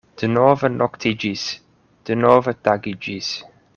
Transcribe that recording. Denove noktiĝis; denove tagiĝis.